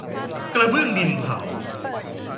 กระเบื้องดินเผา